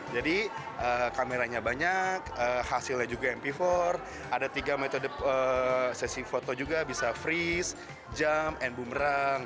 jadi kameranya banyak hasilnya juga mp empat ada tiga metode sesi foto juga bisa freeze jump and boomerang